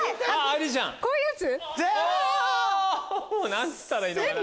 何つったらいいのかな。